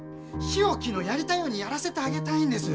日置のやりたいようにやらせてあげたいんです。